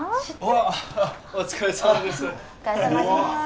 おっお疲れさまです